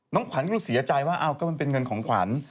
น้องขวัญก็รู้เสียใจว่าอ้าวก็มันเป็นเงินของขวัญ